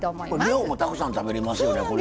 量もたくさん食べれますね。